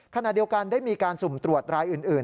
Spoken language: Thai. ขณะเดียวกันได้มีการสุ่มตรวจรายอื่น